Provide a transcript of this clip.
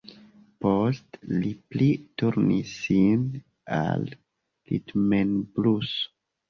Poste li pli turnis sin al ritmenbluso.